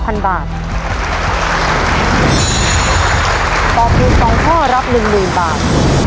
ตอบถูก๒ข้อรับ๑๐๐๐บาท